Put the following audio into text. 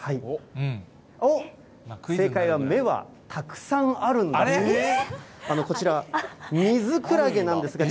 おっ、正解は目はたくさんあるんだそうです。